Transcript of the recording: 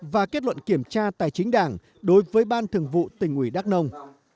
và kết luận kiểm tra tài chính đảng đối với ban thượng vụ thành ủy đắc nông